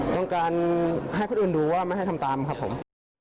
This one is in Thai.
ต้องการให้คนอื่นดูว่าไม่ให้ทำตามครับผม